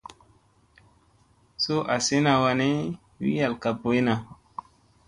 Suu asina wan ni wi yal ka ɓoyna.